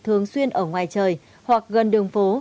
thường xuyên ở ngoài trời hoặc gần đường phố